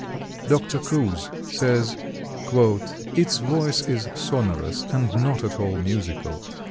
Dr. Coues says, "Its voice is sonorous and not at all musical.